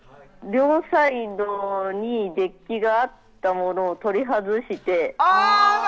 両サイドにデッキがあったものを取り外して。